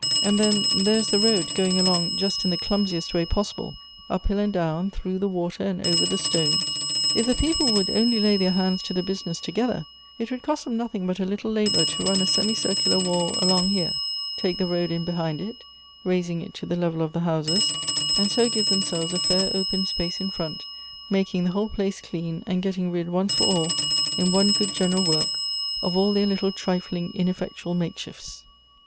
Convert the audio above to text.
And then there is the road going along just in the clumsiest way possible, — up liill and down, through the water, and over the stones. If the people would only lay their hands to the business together, it would cost them nothing, but a little labor to run a semicircular wall along here, take the road in behind 56 Goethe's it, raising it to the level of the houses, and so give them selves a fair open space in front, making the whole place clean, and getting rid, once for all, in one good general work, of all their little trifling ineflbctual makeshifts."